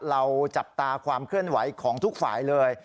เราจับตาความเคลื่อนไหวของทุกฝ่ายเลย